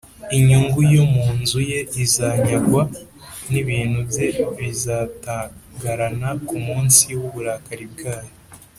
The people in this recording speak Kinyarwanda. inyungu yo mu nzu ye izanyagwa, n’ibintu bye bizatagarana ku munsi w’uburakari bwayo